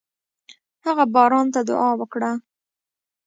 هغه باران ته دعا وکړه.